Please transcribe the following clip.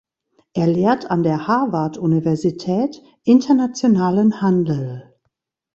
Er lehrt an der Harvard-Universität internationalen Handel.